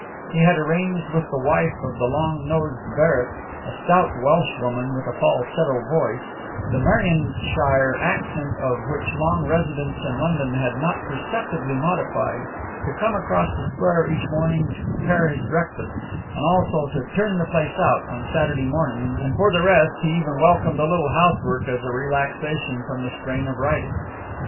He had arranged with the wife of the long nosed Barrett, a stout Welsh woman with a falsetto voice, the Merionethshire accent of which long residence in London had not perceptibly modified, to come across the square each morning to prepare his breakfast, and also to "turn the place out" on Saturday mornings; and for the rest, he even welcomed a little housework as a relaxation from the strain of writing.